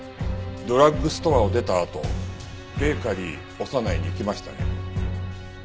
ドラッグストアを出たあとベーカリーオサナイに行きましたね？